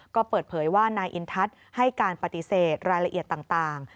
ก็เปิดเผยว่านายอินทัศน์ให้การปฏิเสธรายละเอียดต่าง